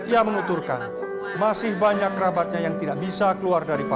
ia menuturkan masih banyak kerabatnya yang tidak bisa keluar dari pandemi